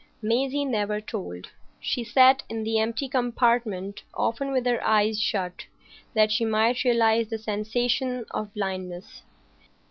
Maisie never told. She sat in the empty compartment often with her eyes shut, that she might realise the sensation of blindness.